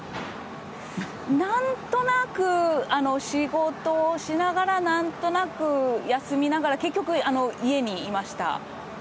なんとなく、仕事しながら、なんとなく休みながら、結局、家にいました。